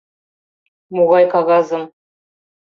Могай кагазым?